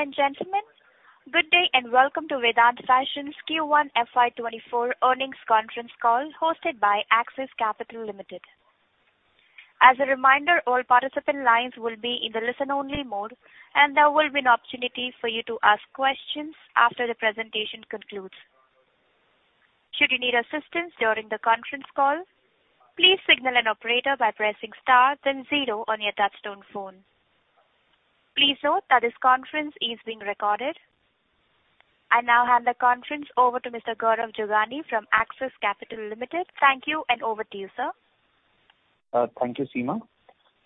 Ladies and gentlemen, good day, welcome to Vedant Fashions Q1 FY 2024 Earnings Conference Call, hosted by Axis Capital Limited. As a reminder, all participant lines will be in the listen-only mode, and there will be an opportunity for you to ask questions after the presentation concludes. Should you need assistance during the conference call, please signal an operator by pressing Star, then Zero on your touchtone phone. Please note that this conference is being recorded. I now hand the conference over to Mr. Gaurav Jogani from Axis Capital Limited. Thank you, over to you, sir. Thank you, Seema.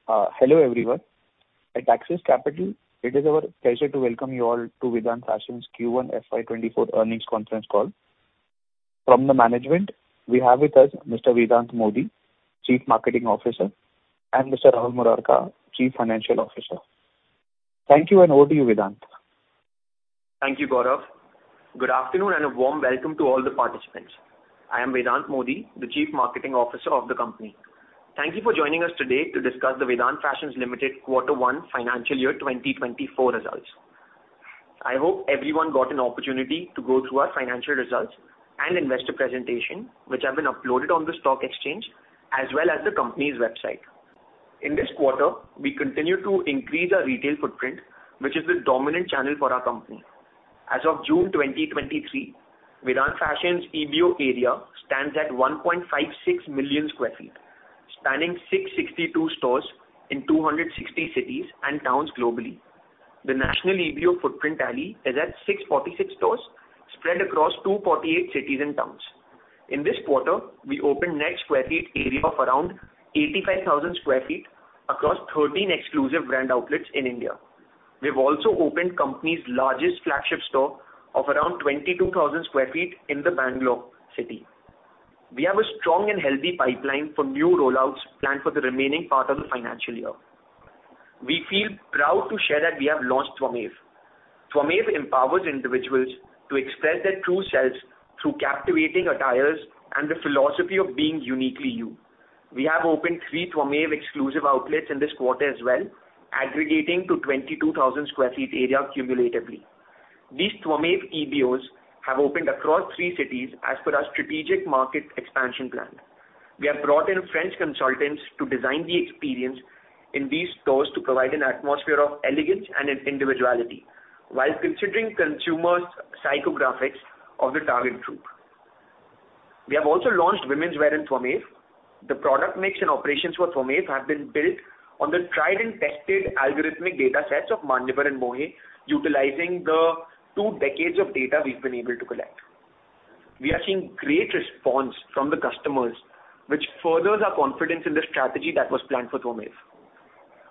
Hello, everyone. At Axis Capital, it is our pleasure to welcome you all to Vedant Fashions Q1 FY 2024 Earnings Conference Call. From the management, we have with us Mr. Vedant Modi, Chief Marketing Officer, and Mr. Rahul Murarka, Chief Financial Officer. Thank you, and over to you, Vedant. Thank you, Gaurav. Good afternoon, and a warm welcome to all the participants. I am Vedant Modi, the Chief Marketing Officer of the company. Thank you for joining us today to discuss the Vedant Fashions Limited Q1 Financial Year 2024 results. I hope everyone got an opportunity to go through our financial results and investor presentation, which have been uploaded on the stock exchange, as well as the company's website. In this quarter, we continued to increase our retail footprint, which is the dominant channel for our company. As of June 2023, Vedant Fashions EBO area stands at 1.56 million sq ft, spanning 662 stores in 260 cities and towns globally. The national EBO footprint tally is at 646 stores, spread across 248 cities and towns. In this quarter, we opened net square feet area of around 85,000 sq ft across 13 exclusive brand outlets in India. We have also opened company's largest flagship store of around 22,000 sq ft in the Bangalore city. We have a strong and healthy pipeline for new rollouts planned for the remaining part of the financial year. We feel proud to share that we have launched Twamev. Twamev empowers individuals to express their true selves through captivating attires and the philosophy of being uniquely you. We have opened three Twamev exclusive outlets in this quarter as well, aggregating to 22,000 sq ft area cumulatively. These Twamev EBOs have opened across three cities as per our strategic market expansion plan. We have brought in French consultants to design the experience in these stores to provide an atmosphere of elegance and individuality, while considering consumers' psychographics of the target group. We have also launched women's wear in Twamev. The product mix and operations for Twamev have been built on the tried-and-tested algorithmic data sets of Manyavar and Mohey, utilizing the two decades of data we've been able to collect. We are seeing great response from the customers, which furthers our confidence in the strategy that was planned for Twamev.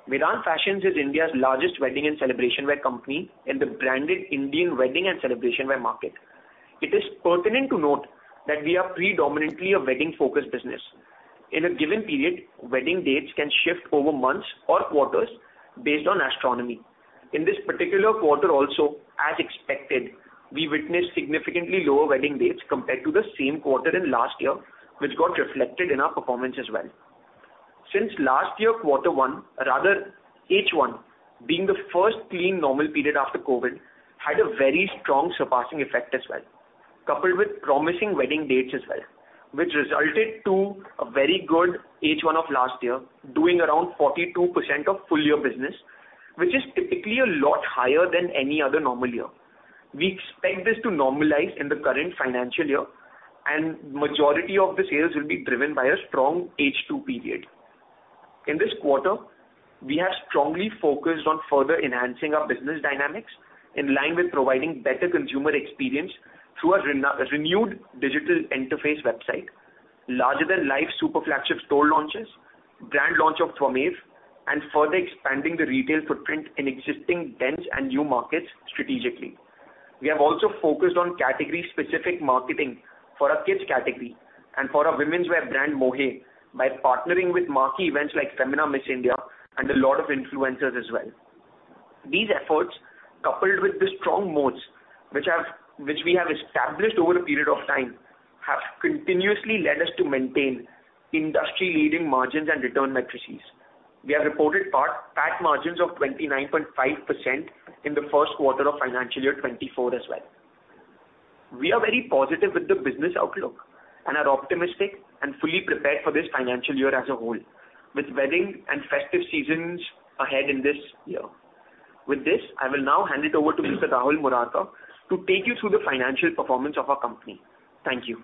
Vedant Fashions is India's largest wedding and celebration wear company in the branded Indian wedding and celebration wear market. It is pertinent to note that we are predominantly a wedding-focused business. In a given period, wedding dates can shift over months or quarters based on astronomy. In this particular quarter also, as expected, we witnessed significantly lower wedding dates compared to the same quarter in last year, which got reflected in our performance as well. Since last year, Q1, rather, H1, being the first clean normal period after COVID, had a very strong surpassing effect as well, coupled with promising wedding dates as well, which resulted to a very good H1 of last year, doing around 42% of full year business, which is typically a lot higher than any other normal year. We expect this to normalize in the current financial year. Majority of the sales will be driven by a strong H2 period. In this quarter, we have strongly focused on further enhancing our business dynamics in line with providing better consumer experience through our renewed digital interface website, larger-than-life super flagship store launches, brand launch of Twamev, and further expanding the retail footprint in existing dense and new markets strategically. We have also focused on category-specific marketing for our kids category and for our women's wear brand, Mohey, by partnering with marquee events like Femina Miss India and a lot of influencers as well. These efforts, coupled with the strong moats, which we have established over a period of time, have continuously led us to maintain industry-leading margins and return metrics. We have reported pat margins of 29.5% in the Q1 of financial year 2024 as well. We are very positive with the business outlook and are optimistic and fully prepared for this financial year as a whole, with wedding and festive seasons ahead in this year. With this, I will now hand it over to Mr. Rahul Murarka, to take you through the financial performance of our company. Thank you.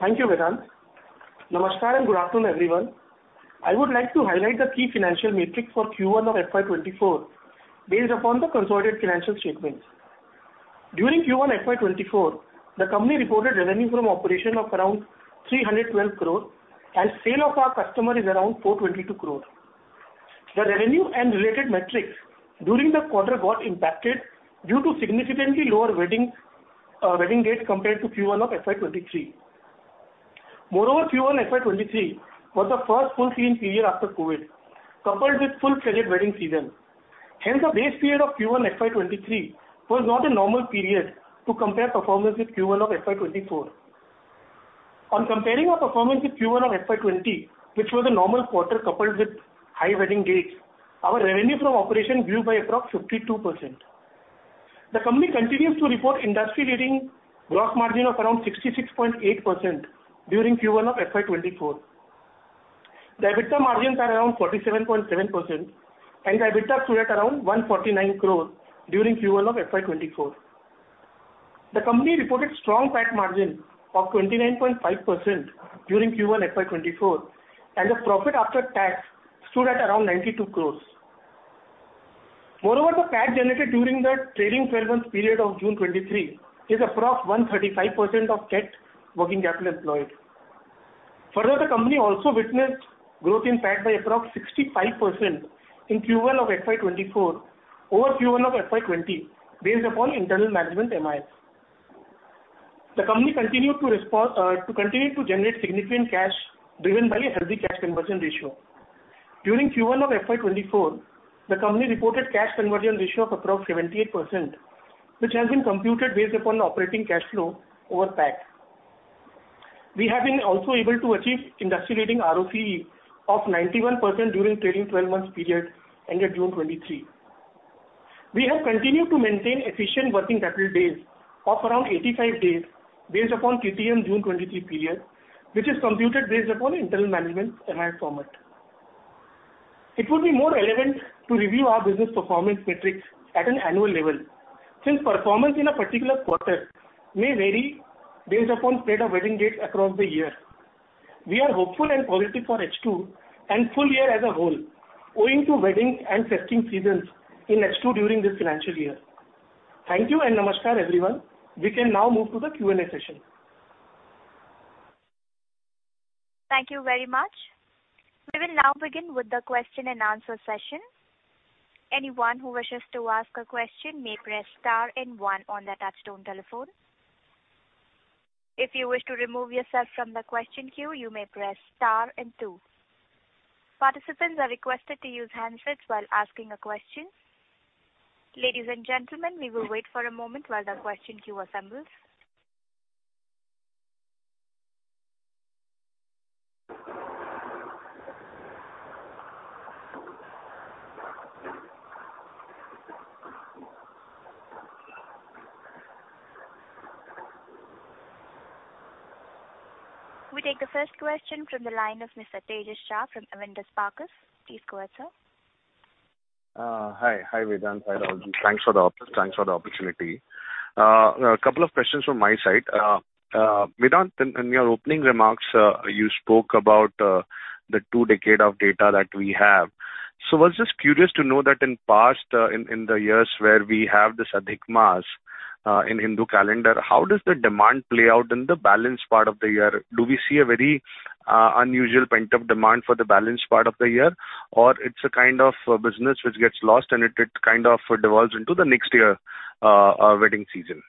Thank you, Vedant. Namaskar, and good afternoon, everyone. I would like to highlight the key financial metrics for Q1 of FY 2024, based upon the consolidated financial statements. During Q1 FY 2024, the company reported revenue from operation of around 312 crore, and sale of our customer is around 422 crore. The revenue and related metrics during the quarter got impacted due to significantly lower wedding dates compared to Q1 of FY 2023. Moreover, Q1 FY 2023 was the first full clean period after COVID, coupled with full credit wedding season. Hence, the base period of Q1 FY 2023 was not a normal period to compare performance with Q1 of FY 2024. ...On comparing our performance with Q1 of FY 20, which was a normal quarter coupled with high wedding dates, our revenue from operation grew by approx 52%. The company continues to report industry-leading gross margin of around 66.8% during Q1 of FY 24. The EBITDA margins are around 47.7%. The EBITDA stood at around 149 crore during Q1 of FY 24. The company reported strong PAT margin of 29.5% during Q1 FY 24. The profit after tax stood at around 92 crore. Moreover, the PAT generated during that trailing 12-month period of June 23 is approx 135% of debt working capital employed. Further, the company also witnessed growth in PAT by approx 65% in Q1 of FY 24 over Q1 of FY 20, based upon internal management MIS. The company continued to generate significant cash, driven by a healthy cash conversion ratio. During Q1 of FY 2024, the company reported cash conversion ratio of approx 78%, which has been computed based upon the operating cash flow over PAT. We have been also able to achieve industry-leading ROFE of 91% during trailing 12 months period, ended June 2023. We have continued to maintain efficient working capital days of around 85 days, based upon QTM June 2023 period, which is computed based upon internal management MI format. It would be more relevant to review our business performance metrics at an annual level, since performance in a particular quarter may vary based upon spread of wedding dates across the year. We are hopeful and positive for H2 and full year as a whole, owing to wedding and festive seasons in H2 during this financial year. Thank you, and namaskar, everyone. We can now move to the Q&A session. Thank you very much. We will now begin with the question and answer session. Anyone who wishes to ask a question may press star and one on their touchtone telephone. If you wish to remove yourself from the question queue, you may press star and two. Participants are requested to use handsets while asking a question. Ladies and gentlemen, we will wait for a moment while the question queue assembles. We take the first question from the line of Mr. Tejash Shah from Spark Capital. Please go ahead, sir. Hi. Hi, Vedant. Hi, all. Thanks for the opportunity. A couple of questions from my side. Vedant, in your opening remarks, you spoke about the two-decade of data that we have. I was just curious to know that in past, in the years where we have this Adhik Maas, in Hindu calendar, how does the demand play out in the balance part of the year? Do we see a very unusual pent-up demand for the balance part of the year, or it's a kind of business which gets lost and it kind of devolves into the next year wedding season?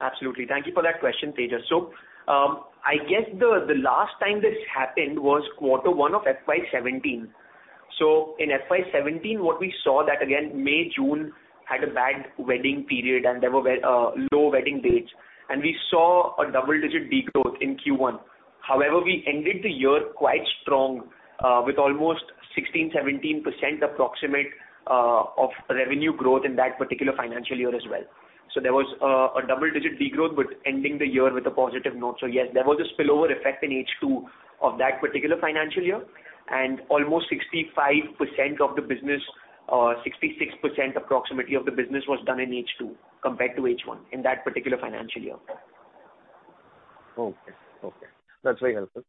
Absolutely. Thank you for that question, Tejash. I guess the last time this happened was Q1 of FY17. In FY17, what we saw that again, May, June had a bad wedding period, and there were low wedding dates, and we saw a double-digit degrowth in Q1. However, we ended the year quite strong, with almost 16%, 17% approximate, of revenue growth in that particular financial year as well. There was a double-digit degrowth, but ending the year with a positive note. Yes, there was a spillover effect in H2 of that particular financial year, and almost 65% of the business, 66% approximately of the business was done in H2 compared to H1 in that particular financial year. Okay. Okay, that's very helpful.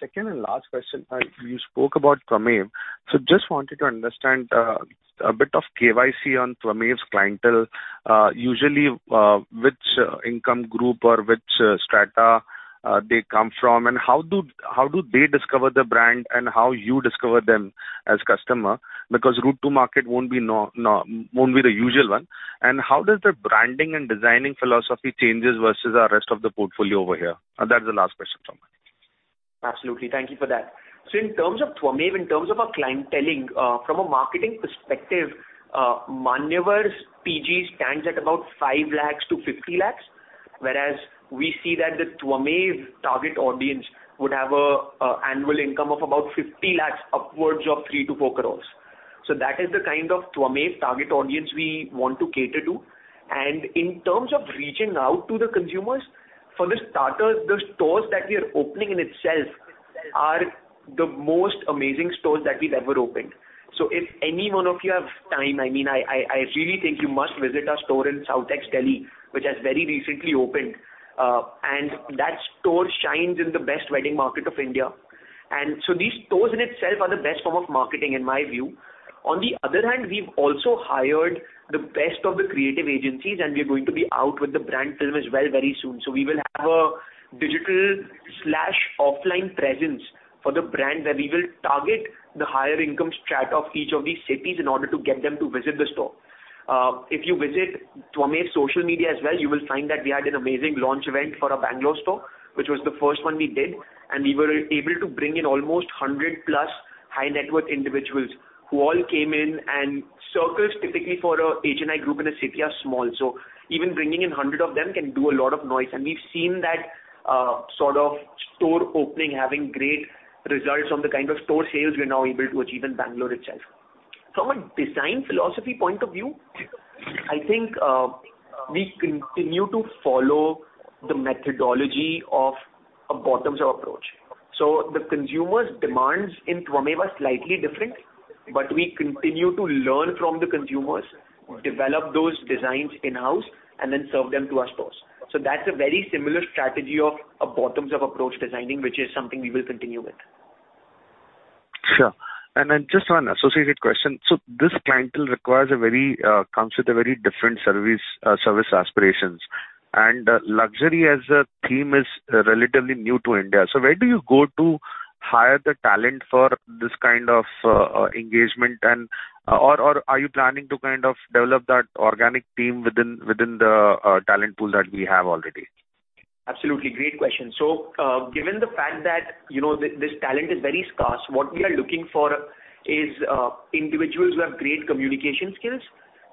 Second and last question, you spoke about Twamev. Just wanted to understand a bit of KYC on Twamev's clientele, usually, which income group or which strata, they come from, and how do they discover the brand and how you discover them as customer? Because route to market won't be the usual one. How does the branding and designing philosophy changes versus the rest of the portfolio over here? That's the last question from me. Absolutely. Thank you for that. In terms of Twamev, in terms of our clienteling, from a marketing perspective, Manyavar's PG stands at about 5 lakhs-50 lakhs, whereas we see that the Twamev target audience would have a annual income of about 50 lakhs, upwards of 3 crores-4 crores. That is the kind of Twamev target audience we want to cater to. In terms of reaching out to the consumers, for the starters, the stores that we are opening in itself are the most amazing stores that we've ever opened. If any one of you have time, I mean, I really think you must visit our store in SouthEx Delhi, which has very recently opened, and that store shines in the best wedding market of India. These stores in itself are the best form of marketing, in my view. On the other hand, we've also hired the best of the creative agencies, and we are going to be out with the brand film as well very soon. We will have a digital slash offline presence for the brand, where we will target the higher income strata of each of these cities in order to get them to visit the store. If you visit Twame social media as well, you will find that we had an amazing launch event for our Bangalore store, which was the first one we did. We were able to bring in almost 100 plus high-net-worth individuals, who all came in and circles typically for a HNI group in a city are small. Even bringing in 100 of them can do a lot of noise, and we've seen that, sort of store opening, having great results on the kind of store sales we're now able to achieve in Bangalore itself. From a design philosophy point of view, I think, we continue to follow the methodology of a bottoms-up approach. The consumers' demands in Twame were slightly different, but we continue to learn from the consumers, develop those designs in-house, and then serve them to our stores. That's a very similar strategy of a bottoms-up approach designing, which is something we will continue with. Sure. Just one associated question. This clientele requires a very comes with a very different service aspirations, and luxury as a theme is relatively new to India. Where do you go to hire the talent for this kind of engagement, and, or are you planning to kind of develop that organic team within the talent pool that we have already? Absolutely. Great question. Given the fact that, you know, this talent is very scarce, what we are looking for is individuals who have great communication skills,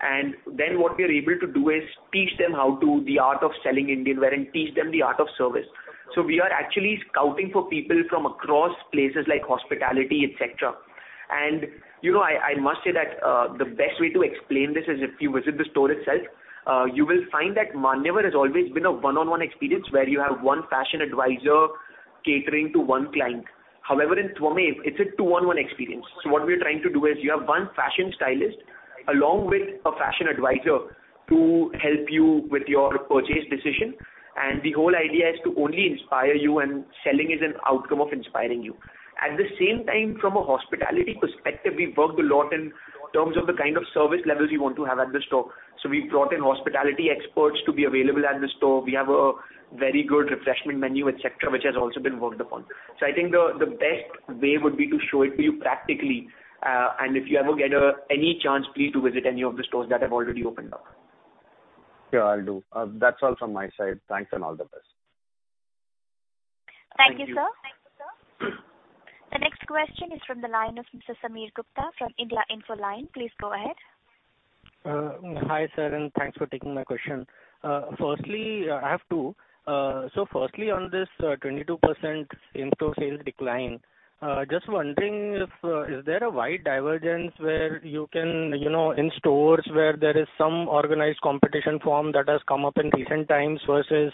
and then what we are able to do is teach them how to the art of selling Indian wear, and teach them the art of service. We are actually scouting for people from across places like hospitality, et cetera. You know, I must say that the best way to explain this is if you visit the store itself, you will find that Manyavar has always been a one-on-one experience, where you have one fashion advisor catering to one client. However, in Twamev, it's a two-on-one experience. What we are trying to do is, you have 1 fashion stylist, along with a fashion advisor to help you with your purchase decision, and the whole idea is to only inspire you, and selling is an outcome of inspiring you. At the same time, from a hospitality perspective, we've worked a lot in terms of the kind of service levels we want to have at the store. We've brought in hospitality experts to be available at the store. We have a very good refreshment menu, et cetera, which has also been worked upon. I think the best way would be to show it to you practically, and if you ever get any chance, please do visit any of the stores that have already opened up. Sure, I'll do. That's all from my side. Thanks. All the best. Thank you, sir. The next question is from the line of Mr. Sameer Gupta from India Infoline. Please go ahead. Hi, sir, and thanks for taking my question. Firstly, I have two. Firstly, on this, 22% in-store sales decline, just wondering if, is there a wide divergence where you can, you know, in stores where there is some organized competition firm that has come up in recent times, versus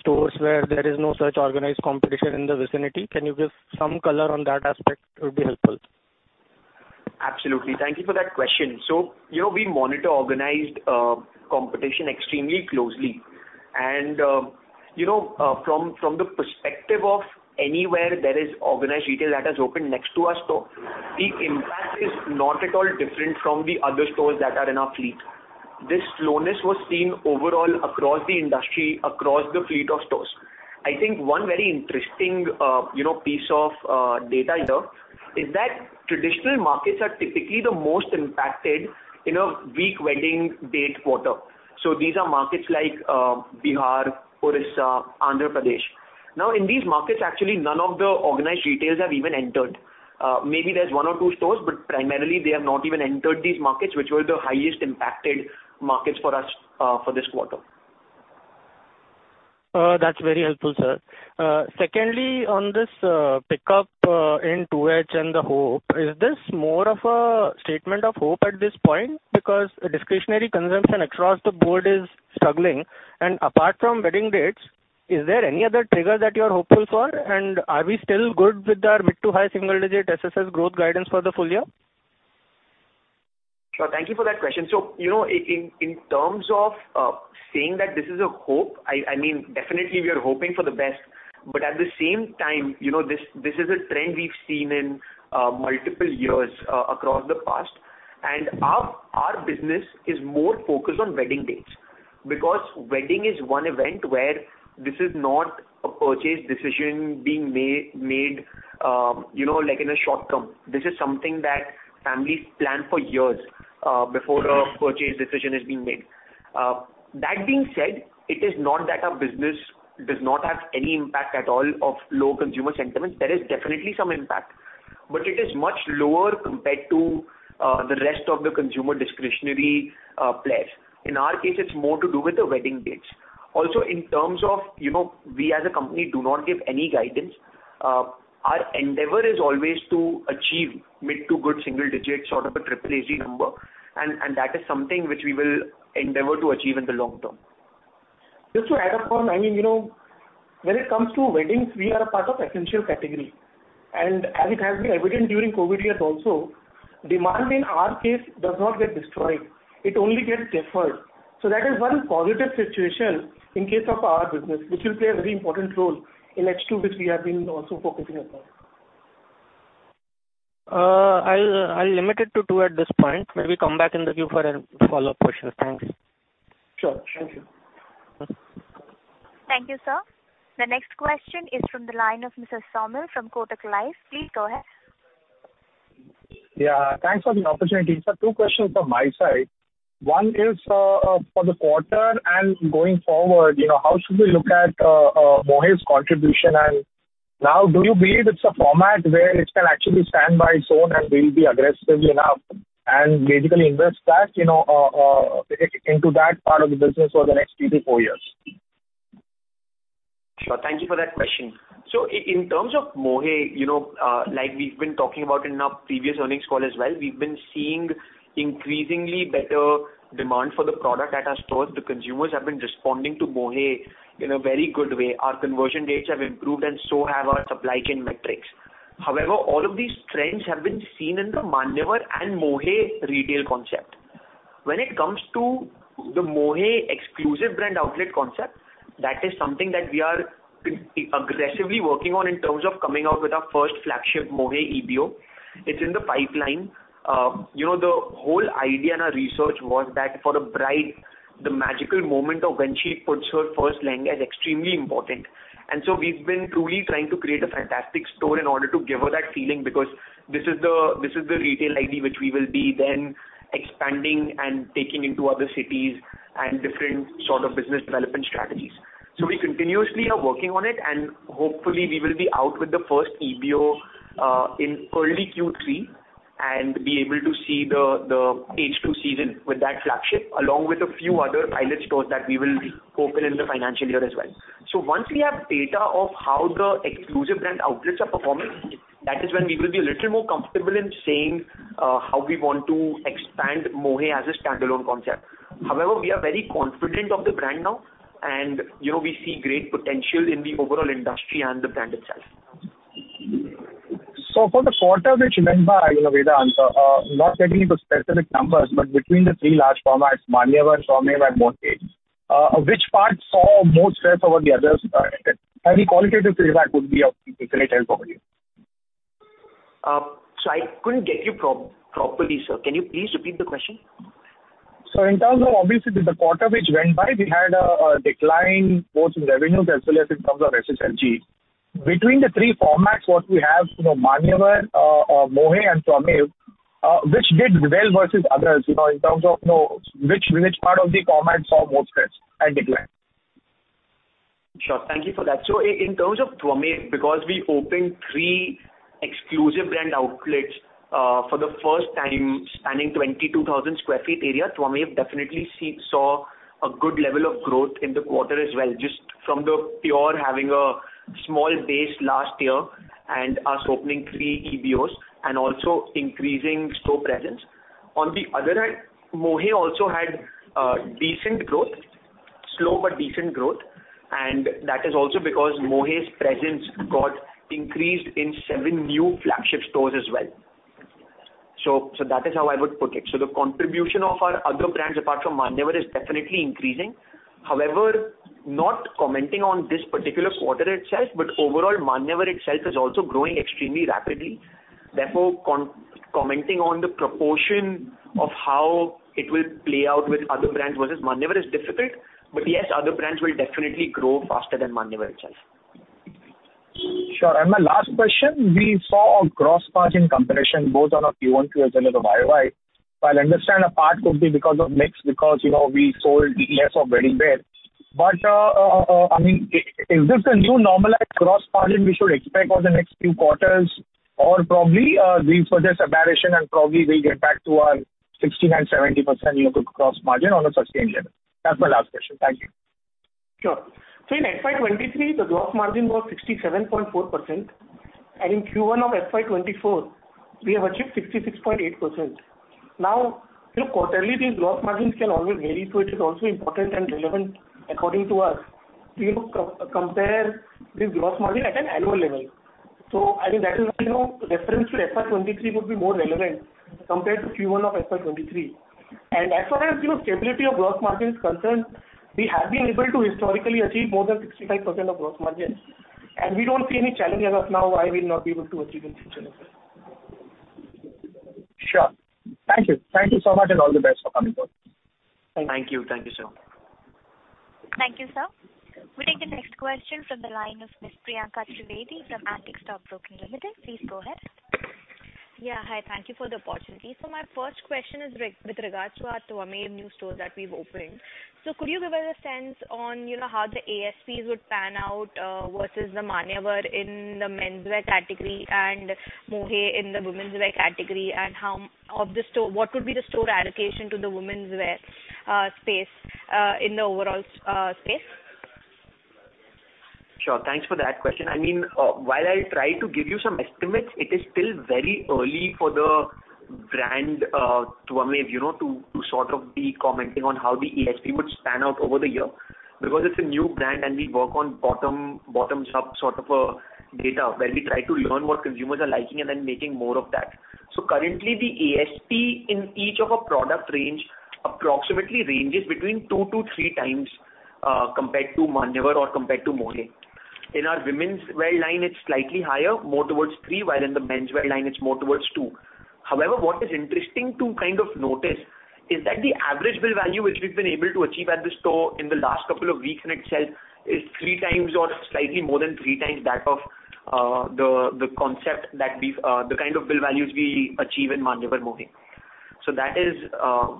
stores where there is no such organized competition in the vicinity? Can you give some color on that aspect, will be helpful. Absolutely. Thank you for that question. You know, we monitor organized competition extremely closely and, you know, from the perspective of anywhere there is organized retail that has opened next to our store, the impact is not at all different from the other stores that are in our fleet. This slowness was seen overall across the industry, across the fleet of stores. I think one very interesting, you know, piece of data here, is that traditional markets are typically the most impacted in a weak wedding date quarter. These are markets like Bihar, Orissa, Andhra Pradesh. In these markets, actually, none of the organized retails have even entered. Maybe there's one or two stores, but primarily they have not even entered these markets, which were the highest impacted markets for us for this quarter. That's very helpful, sir. Secondly, on this pickup in H2 and the hope, is this more of a statement of hope at this point, because discretionary consumption across the board is struggling, and apart from wedding dates, is there any other triggers that you are hopeful for? Are we still good with our mid to high single-digit SSS growth guidance for the full year? Sure. Thank you for that question. You know, in terms of saying that this is a hope, I mean, definitely we are hoping for the best, but at the same time, you know, this is a trend we've seen in multiple years across the past. Our business is more focused on wedding dates, because wedding is one event where this is not a purchase decision being made, you know, like, in a short term. This is something that families plan for years before a purchase decision is being made. That being said, it is not that our business does not have any impact at all of low consumer sentiment. There is definitely some impact, but it is much lower compared to the rest of the consumer discretionary players. In our case, it's more to do with the wedding dates. In terms of, you know, we as a company do not give any guidance. Our endeavor is always to achieve mid to good single digits, sort of a AAA number, and that is something which we will endeavor to achieve in the long term. Just to add up on, I mean, you know, when it comes to weddings, we are a part of essential category. As it has been evident during COVID years also, demand in our case does not get destroyed, it only gets deferred. That is one positive situation in case of our business, which will play a very important role in H2, which we have been also focusing upon. I'll limit it to two at this point. Maybe come back in the queue for a follow-up question. Thanks. Sure. Thank you. Thank you, sir. The next question is from the line of Mrs. Somil from Kotak Life. Please go ahead. Yeah, thanks for the opportunity. Sir, two questions from my side. One is, for the quarter and going forward, you know, how should we look at Mohey's contribution? Now, do you believe it's a format where it can actually stand by its own, and we'll be aggressive enough and basically invest that, you know, into that part of the business over the next three to four years? Sure. Thank you for that question. In terms of Mohey, you know, like we've been talking about in our previous earnings call as well, we've been seeing increasingly better demand for the product at our stores. The consumers have been responding to Mohey in a very good way. Our conversion rates have improved and so have our supply chain metrics. However, all of these trends have been seen in the Manyavar and Mohey retail concept. When it comes to the Mohey exclusive brand outlet concept, that is something that we are aggressively working on in terms of coming out with our first flagship, Mohey EBO. It's in the pipeline. You know, the whole idea and our research was that for a bride, the magical moment of when she puts her first lehenga is extremely important. We've been truly trying to create a fantastic store in order to give her that feeling, because this is the, this is the retail idea, which we will be then expanding and taking into other cities and different sort of business development strategies. We continuously are working on it, and hopefully, we will be out with the first EBO in early Q3, and be able to see the H2 season with that flagship, along with a few other pilot stores that we will open in the financial year as well. Once we have data of how the exclusive brand outlets are performing, that is when we will be a little more comfortable in saying how we want to expand Mohey as a standalone concept. We are very confident of the brand now, and, you know, we see great potential in the overall industry and the brand itself. For the quarter which went by, you know, Vedant, not getting into specific numbers, but between the three large formats, Manyavar, Twamev, and Mohey, which part saw more stress over the others? Any qualitative feedback would be of infinite help for me. So I couldn't get you properly, sir. Can you please repeat the question? In terms of, obviously, the quarter which went by, we had a decline both in revenues as well as in terms of SSLG. Between the three formats, what we have, you know, Manyavar, Mohey, and Twamev, which did well versus others, you know, in terms of, you know, which part of the format saw more stress and decline? Thank you for that. In terms of Twamev, because we opened three exclusive brand outlets, for the first time, spanning 22,000 sq ft area, Twamev definitely saw a good level of growth in the quarter as well, just from the pure having a small base last year and us opening three EBOs and also increasing store presence. On the other hand, Mohey also had decent growth, slow but decent growth, and that is also because Mohey's presence got increased in seven new flagship stores as well. That is how I would put it. The contribution of our other brands, apart from Manyavar, is definitely increasing. However, not commenting on this particular quarter itself, but overall, Manyavar itself is also growing extremely rapidly. Therefore, commenting on the proportion of how it will play out with other brands versus Manyavar is difficult. Yes, other brands will definitely grow faster than Manyavar itself. Sure, my last question, we saw a gross margin compression, both on a QoQ as well as a YoY. While I understand a part could be because of mix, because, you know, we sold less of wedding wear. I mean, is this a new normalized gross margin we should expect for the next few quarters? Probably, we suggest aberration and probably we'll get back to our 60% and 70%, you know, gross margin on a sustained level. That's my last question. Thank you. Sure. In FY 2023, the gross margin was 67.4%. In Q1 of FY 2024, we have achieved 66.8%. You know, quarterly, these gross margins can always vary. It is also important and relevant according to us. We will compare this gross margin at an annual level. I think that is, you know, reference to FY 2023 would be more relevant compared to Q1 of FY 2023. As far as, you know, stability of gross margin is concerned, we have been able to historically achieve more than 65% of gross margins. We don't see any challenge as of now, why we'll not be able to achieve in future as well. Sure. Thank you. Thank you so much, and all the best for coming forward. Thank you. Thank you, sir. Thank you, sir. We take the next question from the line of Ms. Priyanka Trivedi from Antique Stock Broking Limited. Please go ahead. Yeah, hi, thank you for the opportunity. My first question is with regards to our Twamev new stores that we've opened. Could you give us a sense on, you know, how the ASPs would pan out versus the Manyavar in the menswear category and Mohey in the womenswear category? Of the store, what could be the store allocation to the womenswear space in the overall space? Sure, thanks for that question. I mean, while I try to give you some estimates, it is still very early for the brand, Twamev, you know, to sort of be commenting on how the ASP would pan out over the year. Because it's a new brand and we work on bottom-up sort of data, where we try to learn what consumers are liking and then making more of that. So currently, the ASP in each of our product range approximately ranges between two to three times compared to Manyavar or compared to Mohey. In our womenswear line, it's slightly higher, more towards 3, while in the menswear line, it's more towards 2. However, what is interesting to kind of notice is that the average bill value which we've been able to achieve at the store in the last couple of weeks in itself, is three times or slightly more than three times that of the concept that we've the kind of bill values we achieve in Manyavar Mohey. That is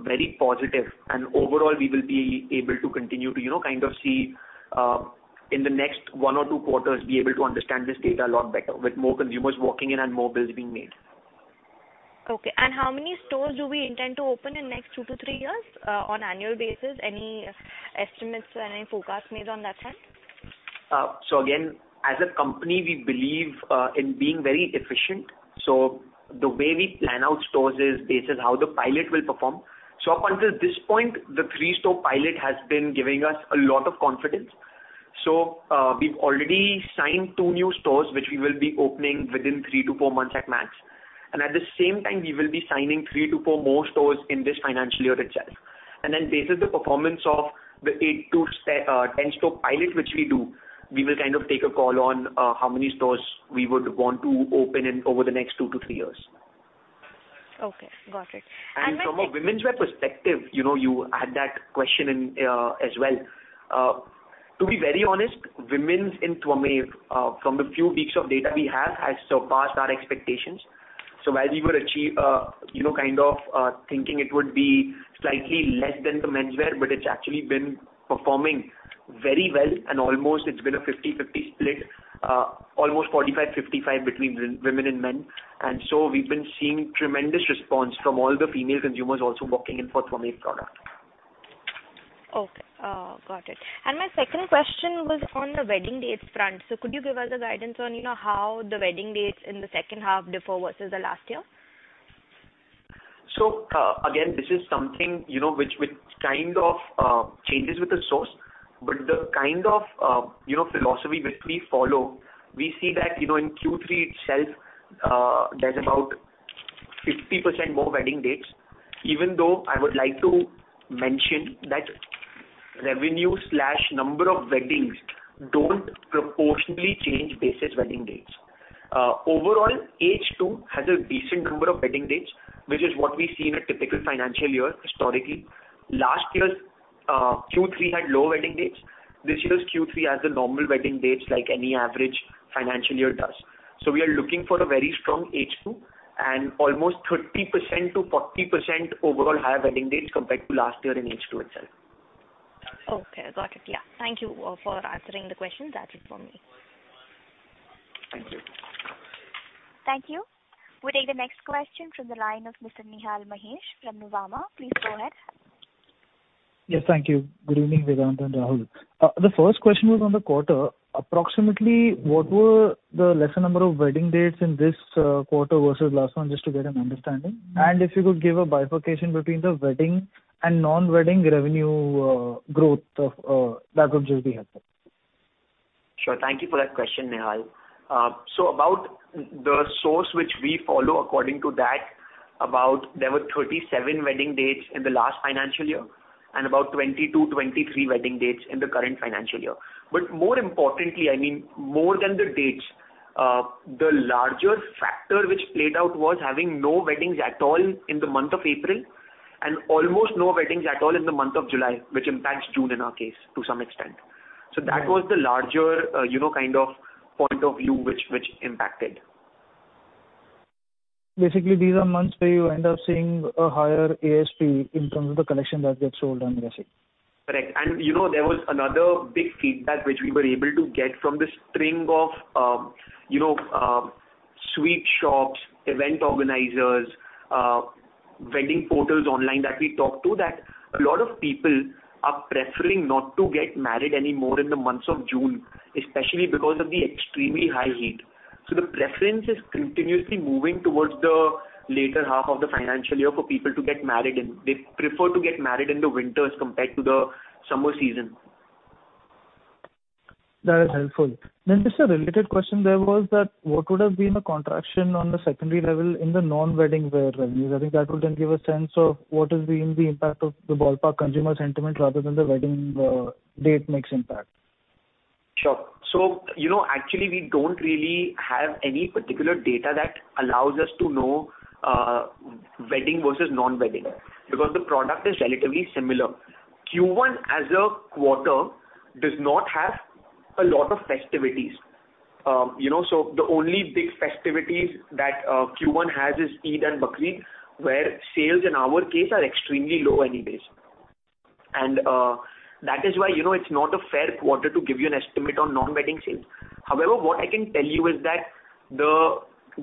very positive, and overall, we will be able to continue to, you know, kind of see, in the next one or two quarters, be able to understand this data a lot better, with more consumers walking in and more bills being made. Okay, how many stores do we intend to open in next two to three years, on annual basis? Any estimates or any forecast made on that front? Again, as a company, we believe in being very efficient. The way we plan out stores is based on how the pilot will perform. Up until this point, the three-store pilot has been giving us a lot of confidence. We've already signed two new stores, which we will be opening within three to four months at max. At the same time, we will be signing three to four more stores in this financial year itself. Then based on the performance of the eight to 10-store pilot, which we do, we will kind of take a call on how many stores we would want to open in over the next two to three years. Okay, got it. From a womenswear perspective, you know, you had that question in as well. To be very honest, womens in Twamev, from the few weeks of data we have, has surpassed our expectations. While we were achieve, you know, kind of, thinking it would be slightly less than the menswear, but it's actually been performing very well, and almost it's been a 50/50 split, almost 45, 55 between women and men. We've been seeing tremendous response from all the female consumers also walking in for Twamev product. Okay, got it. My second question was on the wedding dates front. Could you give us a guidance on, you know, how the wedding dates in the second half differ versus the last year? Again, this is something, you know, which kind of, you know, philosophy which we follow, we see that, you know, in Q3 itself, there's about 50% more wedding dates. Even though I would like to mention that revenue/number of weddings don't proportionately change basis wedding dates. Overall, H2 has a decent number of wedding dates, which is what we see in a typical financial year historically. Last year's Q3 had low wedding dates. This year's Q3 has the normal wedding dates like any average financial year does. We are looking for a very strong H2 and almost 30%-40% overall higher wedding dates compared to last year in H2 itself. Okay, got it. Yeah. Thank you for answering the question. That is for me. Thank you. Thank you. We take the next question from the line of Mr. Nihal Mahesh from Nuvama. Please go ahead. Yes, thank you. Good evening, Vedant and Rahul. The first question was on the quarter. Approximately, what were the lesser number of wedding dates in this quarter versus last one, just to get an understanding? If you could give a bifurcation between the wedding and non-wedding revenue growth of that would just be helpful. Sure. Thank you for that question, Nihal. About the source which we follow, according to that, about there were 37 wedding dates in the last financial year, and about 22, 23 wedding dates in the current financial year. More importantly, I mean, more than the dates, the larger factor which played out was having no weddings at all in the month of April, and almost no weddings at all in the month of July, which impacts June in our case, to some extent. Right. That was the larger, you know, kind of point of view, which impacted. Basically, these are months where you end up seeing a higher ASP in terms of the collection that gets sold, I'm guessing. Correct. You know, there was another big feedback which we were able to get from the string of, you know, sweet shops, event organizers, wedding portals online that we talked to, that a lot of people are preferring not to get married anymore in the months of June, especially because of the extremely high heat. The preference is continuously moving towards the later half of the financial year for people to get married, and they prefer to get married in the winters compared to the summer season. That is helpful. Just a related question there was that, what would have been the contraction on the secondary level in the non-wedding wear revenues? I think that would then give a sense of what is being the impact of the ballpark consumer sentiment rather than the wedding, date mix impact. Sure. You know, actually, we don't really have any particular data that allows us to know, wedding versus non-wedding, because the product is relatively similar. Q1 as a quarter does not have a lot of festivities. You know, so the only big festivities that Q1 has is Eid and Bakrid, where sales in our case are extremely low anyways. That is why, you know, it's not a fair quarter to give you an estimate on non-wedding sales. However, what I can tell you is that the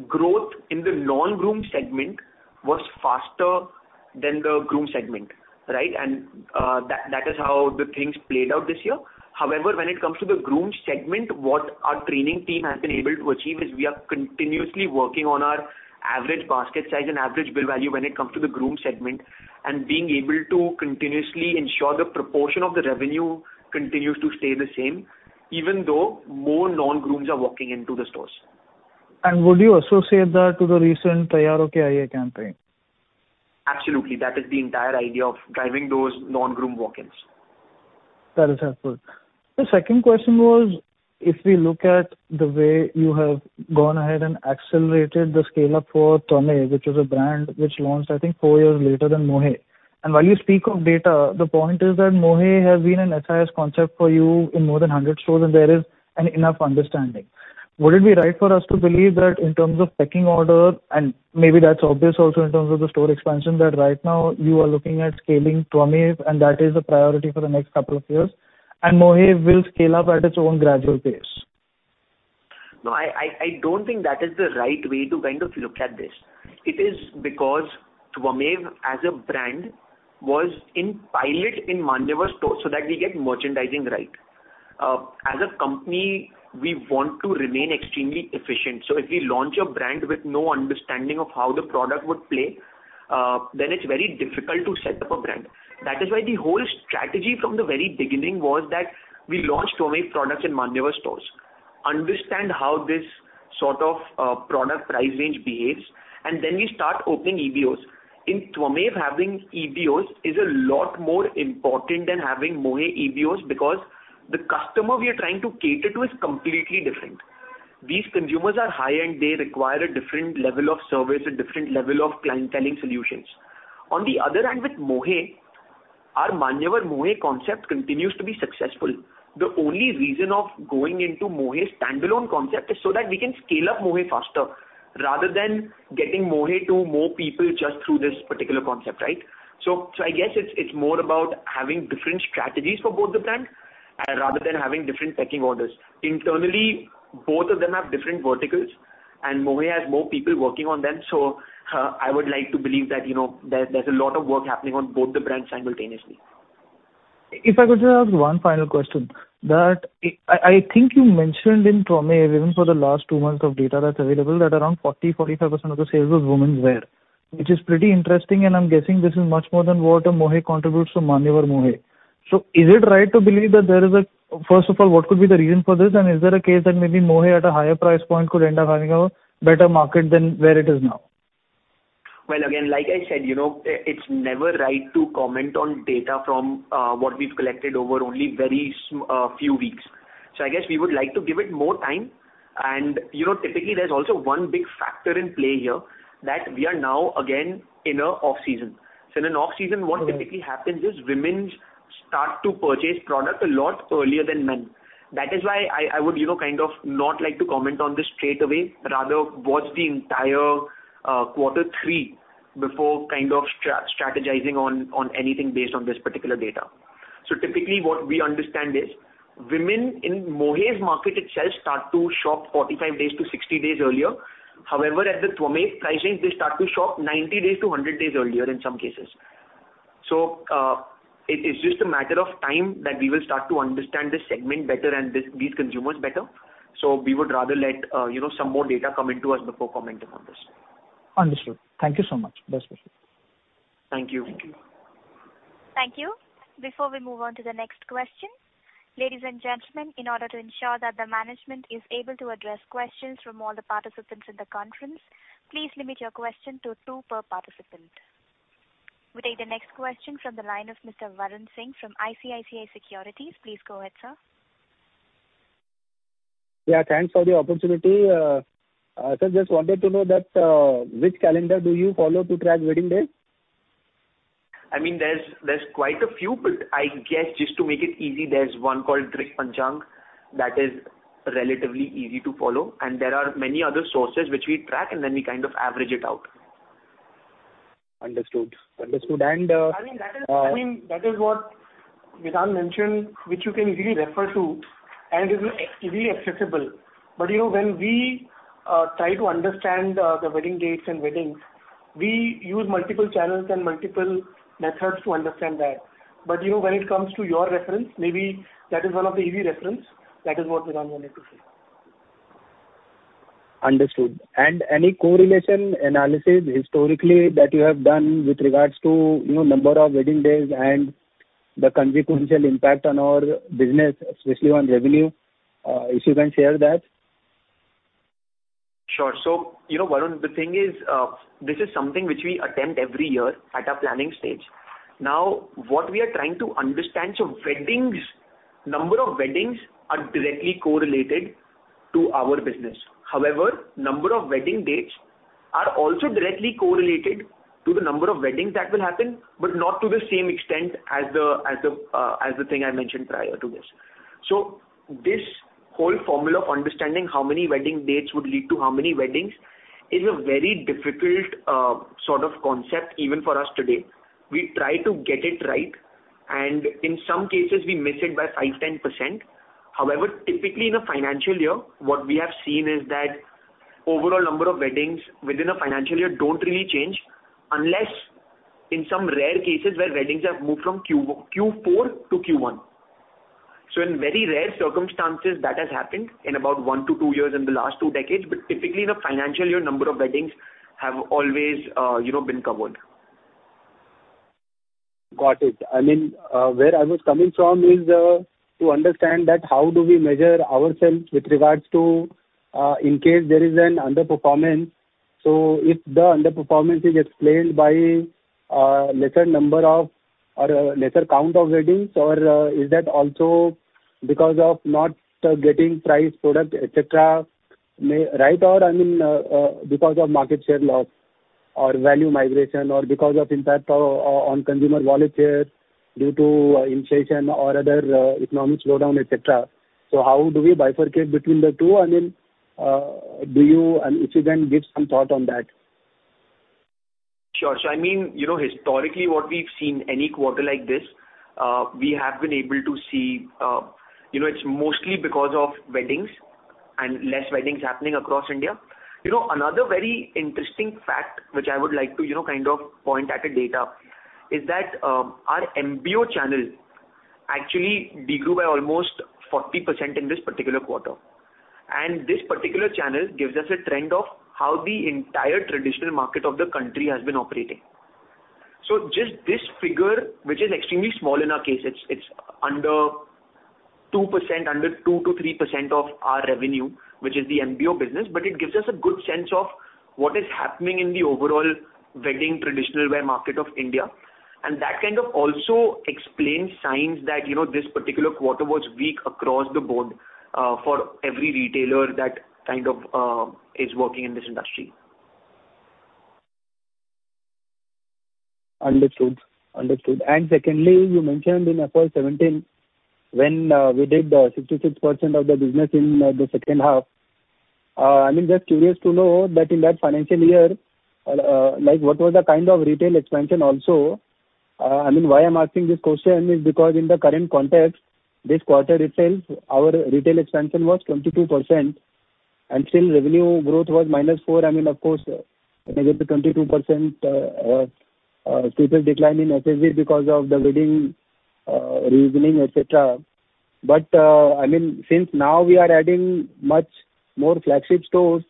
growth in the non-groom segment was faster than the groom segment, right? That is how the things played out this year. When it comes to the groom segment, what our training team has been able to achieve is we are continuously working on our average basket size and average bill value when it comes to the groom segment, and being able to continuously ensure the proportion of the revenue continues to stay the same, even though more non-grooms are walking into the stores. Would you also say that to the recent Taiyaar Hokar Aaiye campaign? Absolutely, that is the entire idea of driving those non-groom walk-ins. That is helpful. The second question was, if we look at the way you have gone ahead and accelerated the scale-up for Twamev, which is a brand which launched, I think, four years later than Mohey. While you speak of data, the point is that Mohey has been an SIS concept for you in more than 100 stores, and there is an enough understanding. Would it be right for us to believe that in terms of pecking order, and maybe that's obvious also in terms of the store expansion, that right now you are looking at scaling Twamev, and that is the priority for the next couple of years, and Mohey will scale up at its own gradual pace? No, I don't think that is the right way to kind of look at this. It is because Twamev, as a brand, was in pilot in Manyavar stores so that we get merchandising right. As a company, we want to remain extremely efficient. If we launch a brand with no understanding of how the product would play, then it's very difficult to set up a brand. That is why the whole strategy from the very beginning was that we launched Twamev products in Manyavar stores, understand how this sort of product price range behaves, and then we start opening EBOs. In Twamev, having EBOs is a lot more important than having Mohey EBOs, because the customer we are trying to cater to is completely different. These consumers are high-end. They require a different level of service, a different level of clienteling solutions. On the other hand, with Mohey, our Manyavar Mohey concept continues to be successful. The only reason of going into Mohey standalone concept is so that we can scale up Mohey faster, rather than getting Mohey to more people just through this particular concept, right? I guess it's more about having different strategies for both the brands, rather than having different pecking orders. Internally, both of them have different verticals, and Mohey has more people working on them, so I would like to believe that, you know, there's a lot of work happening on both the brands simultaneously. If I could just ask one final question, that I think you mentioned in Twamev, even for the last two months of data that's available, that around 40%-45% of the sales was women's wear, which is pretty interesting, and I'm guessing this is much more than what a Mohey contributes to Manyavar Mohey. Is it right to believe that there is a First of all, what could be the reason for this? Is there a case that maybe Mohey at a higher price point could end up having a better market than where it is now? Well, again, like I said, you know, it's never right to comment on data from what we've collected over only very few weeks. I guess we would like to give it more time. You know, typically, there's also one big factor in play here, that we are now again in a off-season. In an off-season, what typically happens is, women start to purchase product a lot earlier than men. That is why I would, you know, kind of not like to comment on this straight away, rather watch the entire Q3 before kind of strategizing on anything based on this particular data. Typically, what we understand is, women in Mohey's market itself start to shop 45 days to 60 days earlier. At the Twamev pricing, they start to shop 90 days to 100 days earlier in some cases. It is just a matter of time that we will start to understand this segment better and these consumers better. We would rather let, you know, some more data come in to us before commenting on this. Understood. Thank you so much. Best wishes. Thank you. Thank you. Thank you. Before we move on to the next question, ladies and gentlemen, in order to ensure that the management is able to address questions from all the participants in the conference, please limit your question to two per participant. We take the next question from the line of Mr. Varun Singh from ICICI Securities. Please go ahead, sir. Yeah, thanks for the opportunity. I just wanted to know that, which calendar do you follow to track wedding days? I mean, there's quite a few, but I guess just to make it easy, there's one called Griha Pravesh, that is relatively easy to follow, and there are many other sources which we track, and then we kind of average it out. Understood. Understood, and. I mean, that is what Vedant mentioned, which you can easily refer to, and it is easily accessible. You know, when we try to understand the wedding dates and weddings, we use multiple channels and multiple methods to understand that. You know, when it comes to your reference, maybe that is one of the easy reference. That is what Vedant wanted to say. Understood. Any correlation analysis historically, that you have done with regards to, you know, number of wedding days and the consequential impact on our business, especially on revenue, if you can share that? Sure. you know, Varun, the thing is, this is something which we attempt every year at our planning stage. Now, what we are trying to understand. weddings, number of weddings are directly correlated to our business. However, number of wedding dates are also directly correlated to the number of weddings that will happen, but not to the same extent as the thing I mentioned prior to this. this whole formula of understanding how many wedding dates would lead to how many weddings is a very difficult sort of concept even for us today. We try to get it right, and in some cases, we miss it by 5%, 10%. Typically in a financial year, what we have seen is that overall number of weddings within a financial year don't really change, unless in some rare cases where weddings have moved from Q4 to Q1. In very rare circumstances, that has happened in about one to two years in the last two decades. Typically, in a financial year, number of weddings have always, you know, been covered. Got it. I mean, where I was coming from is to understand that how do we measure ourselves with regards to, in case there is an underperformance, so if the underperformance is explained by lesser number of or lesser count of weddings, or is that also because of not getting price product, etc., right? I mean, because of market share loss or value migration, or because of impact on consumer wallet share due to inflation or other economic slowdown, et cetera. How do we bifurcate between the two? I mean, do you, and if you can, give some thought on that. Sure. I mean, you know, historically, what we've seen any quarter like this, we have been able to see, you know, it's mostly because of weddings and less weddings happening across India. You know, another very interesting fact, which I would like to, you know, kind of point at the data, is that our MBO channel actually degrew by almost 40% in this particular quarter. This particular channel gives us a trend of how the entire traditional market of the country has been operating. Just this figure, which is extremely small in our case, it's under 2%, under 2%-3% of our revenue, which is the MBO business, but it gives us a good sense of what is happening in the overall wedding traditional wear market of India. That kind of also explains signs that, you know, this particular quarter was weak across the board, for every retailer that kind of, is working in this industry. Understood. Understood. Secondly, you mentioned in April 2017, when we did the 66% of the business in the second half. I mean, just curious to know that in that financial year, like, what was the kind of retail expansion also? I mean, why I'm asking this question is because in the current context, this quarter retail, our retail expansion was 22%, and still revenue growth was -4%. I mean, of course, -22%, steeper decline in SSV because of the wedding reasoning, et cetera. I mean, since now we are adding much more flagship stores,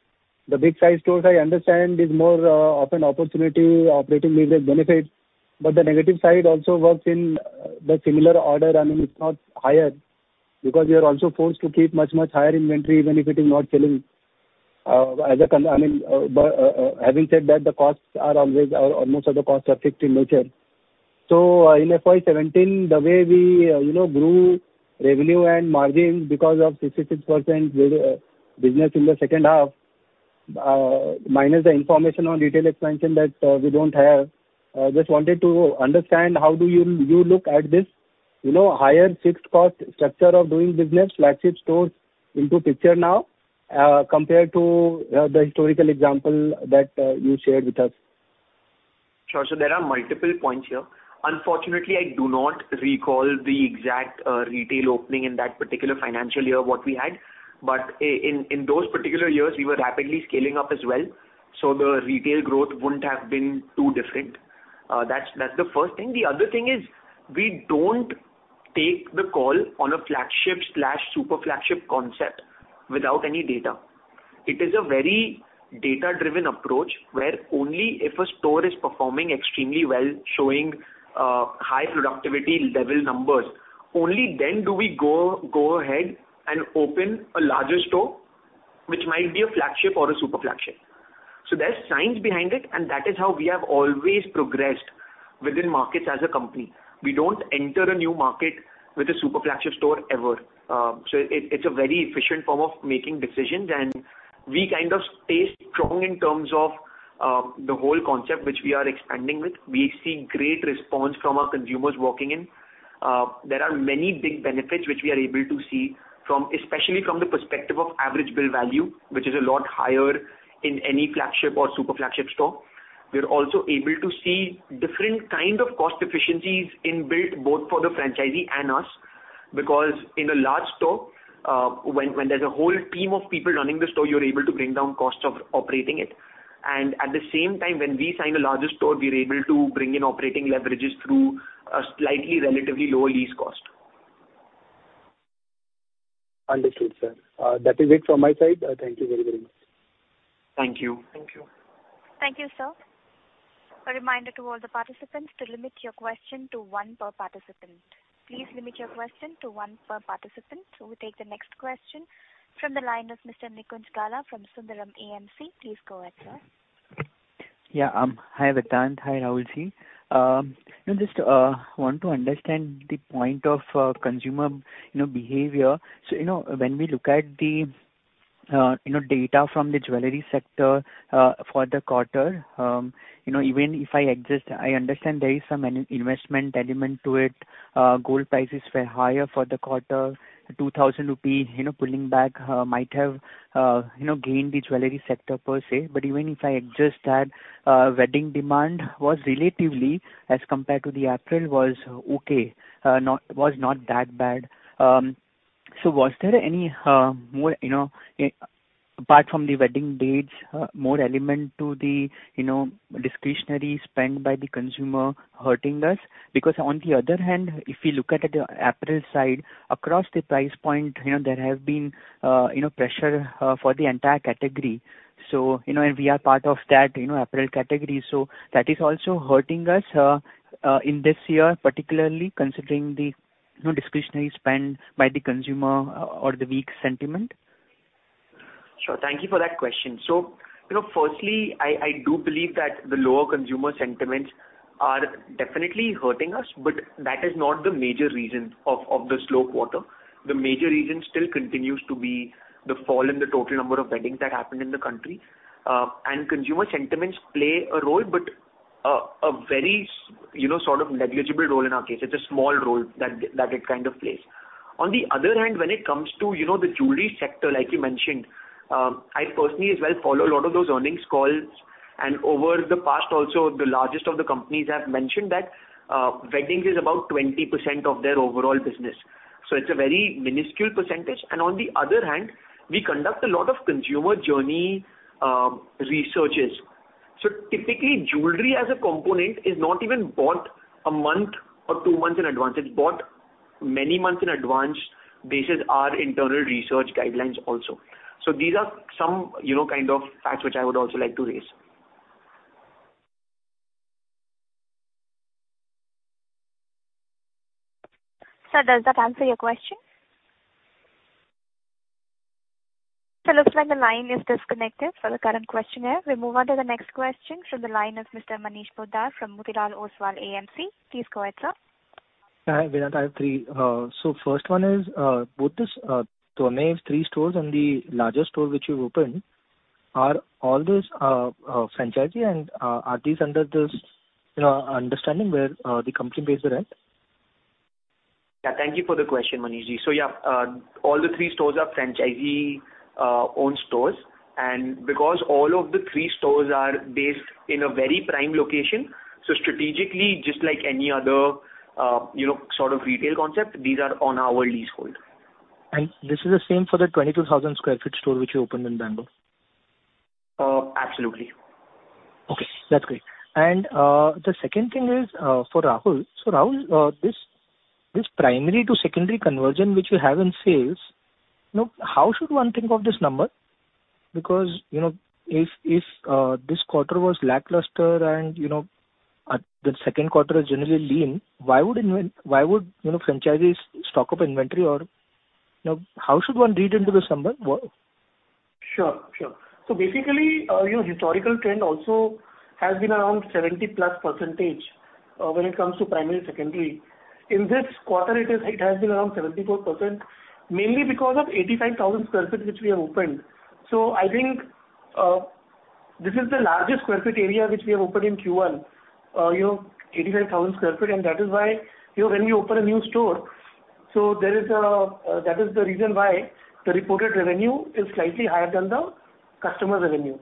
the big size stores, I understand, is more of an opportunity, operating leverage benefit, but the negative side also works in the similar order. I mean, it's not higher, because we are also forced to keep much, much higher inventory even if it is not selling. I mean, but, having said that, the costs are always, most of the costs are fixed in nature. In FY 17, the way we, you know, grew revenue and margins because of 66% business in the second half, minus the information on retail expansion that we don't have. Just wanted to understand how do you look at this, you know, higher fixed cost structure of doing business, flagship stores into picture now, compared to the historical example that you shared with us? Sure. There are multiple points here. Unfortunately, I do not recall the exact retail opening in that particular financial year, what we had, but in those particular years, we were rapidly scaling up as well, so the retail growth wouldn't have been too different. That's the first thing. The other thing is, we don't take the call on a flagship/super flagship concept without any data. It is a very data-driven approach, where only if a store is performing extremely well, showing high productivity level numbers, only then do we go ahead and open a larger store, which might be a flagship or a super flagship. There's science behind it, and that is how we have always progressed within markets as a company. We don't enter a new market with a super flagship store ever. It's a very efficient form of making decisions, and we kind of stay strong in terms of the whole concept which we are expanding with. We see great response from our consumers walking in. There are many big benefits which we are able to see from, especially from the perspective of average bill value, which is a lot higher in any flagship or super flagship store. We are also able to see different kind of cost efficiencies in-built both for the franchisee and us, because in a large store, when there's a whole team of people running the store, you're able to bring down costs of operating it. At the same time, when we sign a larger store, we're able to bring in operating leverages through a slightly, relatively lower lease cost. Understood, sir. That is it from my side. Thank you very, very much. Thank you. Thank you. Thank you, sir. A reminder to all the participants to limit your question to one per participant. Please limit your question to one per participant. We'll take the next question from the line of Mr. Nikunj Gala from Sundaram AMC. Please go ahead, sir. Hi, Vedant. Hi, Rahulji. You know, just want to understand the point of consumer, you know, behavior. You know, when we look at the, you know, data from the jewelry sector, for the quarter, you know, even if I adjust, I understand there is some investment element to it. Gold prices were higher for the quarter. 2,000 rupee, you know, pulling back, might have, you know, gained the jewelry sector per se. Even if I adjust that, wedding demand was relatively, as compared to the apparel, was okay, was not that bad. Was there any more, you know, apart from the wedding dates, more element to the, you know, discretionary spend by the consumer hurting us? On the other hand, if you look at the apparel side, across the price point, you know, there have been, you know, pressure for the entire category. We are part of that, you know, apparel category, so that is also hurting us in this year, particularly considering the no discretionary spend by the consumer or the weak sentiment? Sure. Thank you for that question. you know, firstly, I do believe that the lower consumer sentiments are definitely hurting us, but that is not the major reason of the slow quarter. The major reason still continues to be the fall in the total number of weddings that happened in the country. Consumer sentiments play a role, but a very, you know, sort of negligible role in our case. It's a small role that it kind of plays. On the other hand, when it comes to, you know, the jewelry sector, like you mentioned, I personally as well follow a lot of those earnings calls, and over the past also, the largest of the companies have mentioned that weddings is about 20% of their overall business. It's a very minuscule percentage. On the other hand, we conduct a lot of consumer journey, researches. Typically, jewelry as a component is not even bought one month or two months in advance. It's bought many months in advance, basis our internal research guidelines also. These are some, you know, kind of facts which I would also like to raise. Sir, does that answer your question? Looks like the line is disconnected for the current questioner. We move on to the next question. The line is Mr. Manushi Poddar from Motilal Oswal AMC. Please go ahead, sir. Hi, Vinay, I have three. First one is, both this, Twamev three stores and the larger store which you've opened, are all those, franchisee, and are these under this, you know, understanding where the company pays the rent? Yeah, thank you for the question, Manishji. Yeah, all the three stores are franchisee owned stores, and because all of the three stores are based in a very prime location, so strategically, just like any other, you know, sort of retail concept, these are on our leasehold. this is the same for the 22,000 sq ft store which you opened in Bangalore? Absolutely. Okay, that's great. The second thing is for Rahul. Rahul, this primary to secondary conversion, which you have in sales, you know, how should one think of this number? Because, you know, if this quarter was lackluster and, you know, the Q2 is generally lean, why would, you know, franchisees stock up inventory? Or, you know, how should one read into this number? Sure, sure. Basically, you know, historical trend also has been around 70+% when it comes to primary, secondary. In this quarter, it has been around 74%, mainly because of 85,000 sq ft, which we have opened. I think, this is the largest sq ft area which we have opened in Q1. You know, 85,000 sq ft, that is why, you know, when we open a new store, that is the reason why the reported revenue is slightly higher than the customer revenue.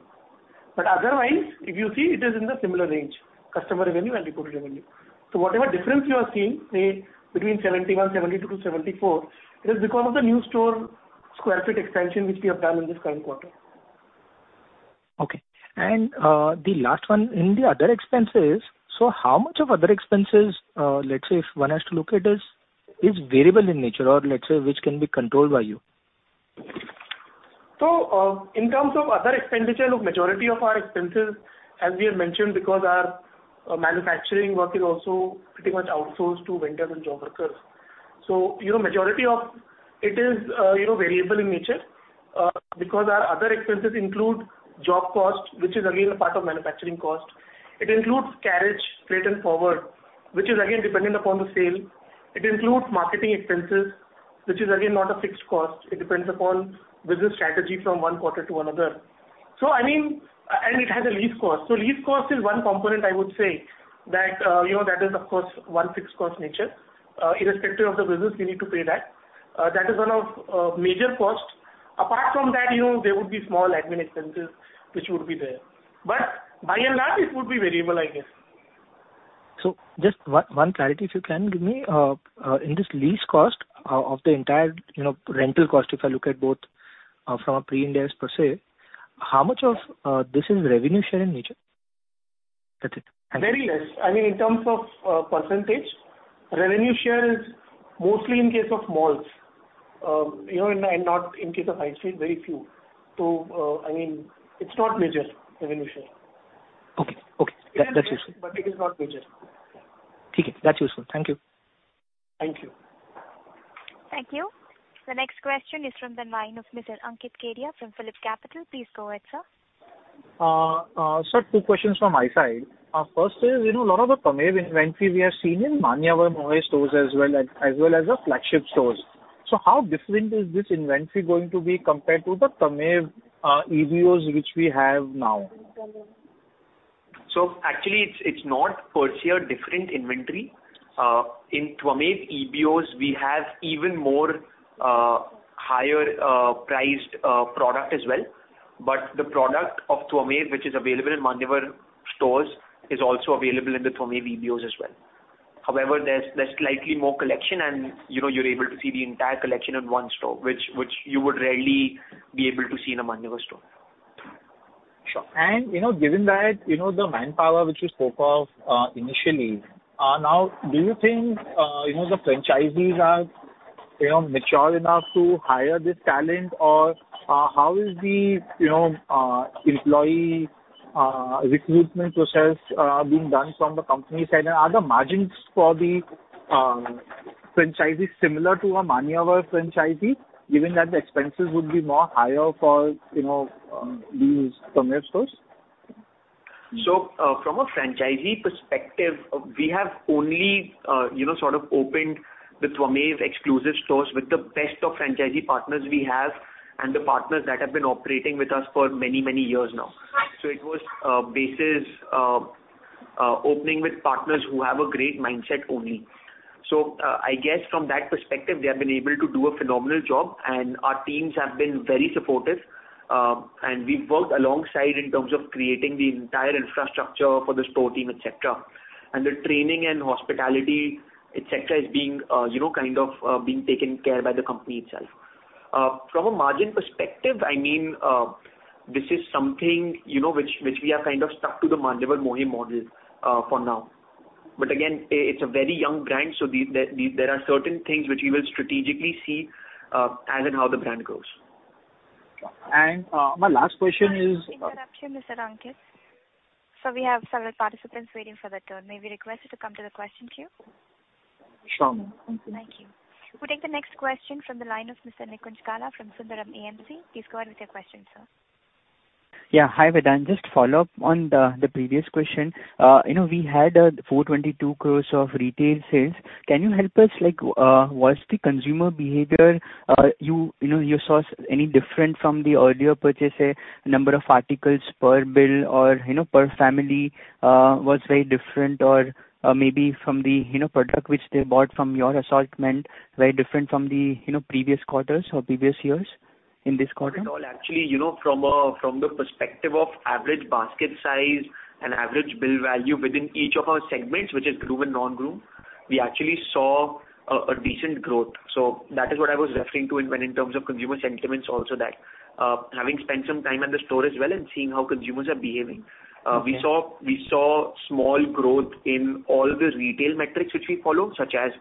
Otherwise, if you see, it is in the similar range, customer revenue and reported revenue. Whatever difference you are seeing, say, between 71%, 72% to 74%, it is because of the new store sq ft expansion, which we have done in this current quarter. Okay. The last one, in the other expenses, how much of other expenses, let's say, if one has to look at is variable in nature or let's say, which can be controlled by you? In terms of other expenditure, look, majority of our expenses, as we have mentioned, because our manufacturing work is also pretty much outsourced to vendors and job workers. You know, majority of it is, you know, variable in nature, because our other expenses include job cost, which is again a part of manufacturing cost. It includes carriage, freight and forward, which is again, dependent upon the sale. It includes marketing expenses, which is again, not a fixed cost. It depends upon business strategy from one quarter to another. I mean, and it has a lease cost. Lease cost is one component, I would say that, you know, that is, of course, one fixed cost nature. Irrespective of the business, we need to pay that. That is one of major cost. Apart from that, you know, there would be small admin expenses which would be there. By and large, it would be variable, I guess. Just one clarity, if you can give me. In this lease cost, of the entire, you know, rental cost, if I look at both, from a pre-Ind AS per se, how much of, this is revenue share in nature? That's it. Very less. I mean, in terms of, %, revenue share is mostly in case of malls, you know, and not in case of high street, very few. I mean, it's not major revenue share. Okay. That's useful. It is not major. That's useful. Thank you. Thank you. Thank you. The next question is from the line of Mr. Ankit Kedia from PhillipCapital. Please go ahead, sir. sir, two questions from my side. First is, you know, a lot of the Twamev inventory we have seen in Manyavar stores as well as the flagship stores. How different is this inventory going to be compared to the Twamev EBOs, which we have now? Actually, it's not per se a different inventory. In Twamev EBOs, we have even more higher priced product as well. The product of Twamev, which is available in Manyavar stores, is also available in the Twamev EBOs as well. However, there's slightly more collection, and, you know, you're able to see the entire collection in one store, which you would rarely be able to see in a Manyavar store. Sure. You know, given that, you know, the manpower, which you spoke of, initially, now, do you think, you know, the franchisees you know, mature enough to hire this talent? How is the, you know, employee recruitment process being done from the company side? Are the margins for the franchises similar to a Manyavar franchisee, given that the expenses would be more higher for, you know, these Twamev stores? From a franchisee perspective, we have only, you know, sort of opened the Twamev exclusive stores with the best of franchisee partners we have, and the partners that have been operating with us for many, many years now. It was basis opening with partners who have a great mindset only. I guess from that perspective, they have been able to do a phenomenal job, and our teams have been very supportive. And we've worked alongside in terms of creating the entire infrastructure for the store team, et cetera. The training and hospitality, et cetera, is being, you know, kind of being taken care by the company itself. From a margin perspective, I mean, this is something, you know, which we are kind of stuck to the Manyavar Mohey model for now. Again, it's a very young brand, so the, there are certain things which we will strategically see as and how the brand grows. My last question? Interruption, Mr. Ankit. We have several participants waiting for their turn. May we request you to come to the question queue? Sure, ma'am. Thank you. We'll take the next question from the line of Mr. Nikunj Gala from Sundaram AMC. Please go ahead with your question, sir. Yeah. Hi, Vedan. Just follow up on the previous question. you know, we had 422 crores of retail sales. Can you help us, like, what's the consumer behavior? you know, you saw any different from the earlier purchaser, number of articles per bill or, you know, per family, what's very different? Maybe from the, you know, product which they bought from your assortment, very different from the, you know, previous quarters or previous years in this quarter? Not at all. Actually, you know, from the perspective of average basket size and average bill value within each of our segments, which is groom and non-groom, we actually saw a decent growth. That is what I was referring to in when, in terms of consumer sentiments also that, having spent some time at the store as well and seeing how consumers are behaving. We saw small growth in all the retail metrics which we follow, such as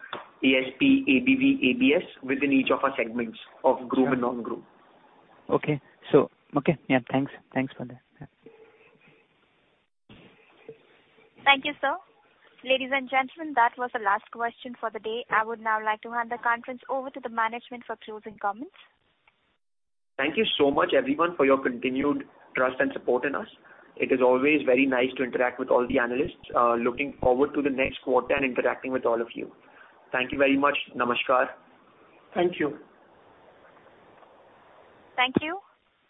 ASP, ABV, ABS, within each of our segments of groom and non-groom. Okay, yeah, thanks. Thanks for that. Yeah. Thank you, sir. Ladies and gentlemen, that was the last question for the day. I would now like to hand the conference over to the management for closing comments. Thank you so much, everyone, for your continued trust and support in us. It is always very nice to interact with all the analysts. Looking forward to the next quarter and interacting with all of you. Thank you very much. Namaskar. Thank you. Thank you.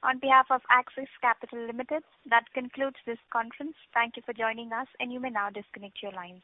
On behalf of Axis Capital Limited, that concludes this conference. Thank you for joining us, and you may now disconnect your lines.